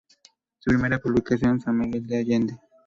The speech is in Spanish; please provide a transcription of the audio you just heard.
Su primera publicación "San Miguel de allende.